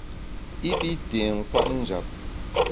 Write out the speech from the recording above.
I pi té nkwet njap.